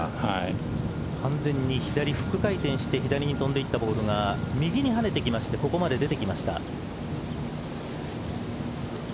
完全に左フック回転してきた左に飛んでいったボールが右に跳ねてきてここまで出てきました。